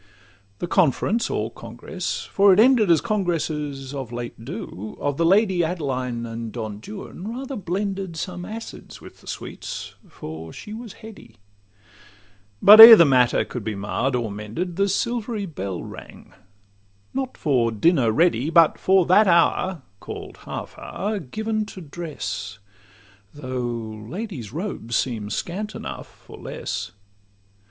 The conference or congress (for it ended As congresses of late do) of the Lady Adeline and Don Juan rather blended Some acids with the sweets—for she was heady; But, ere the matter could be marr'd or mended, The silvery bell rang, not for 'dinner ready, But for that hour, call'd half hour, given to dress, Though ladies' robes seem scant enough for less.